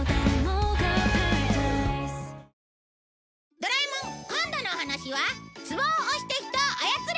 『ドラえもん』今度のお話はツボを押して人を操れ！